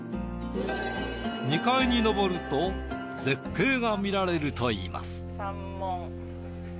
２階に上ると絶景が見られるといいます。